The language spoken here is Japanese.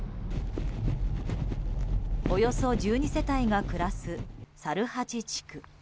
およそ１２世帯が暮らす猿八地区。